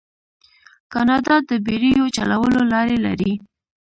کاناډا د بیړیو چلولو لارې لري.